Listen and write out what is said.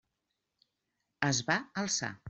Es va alçar.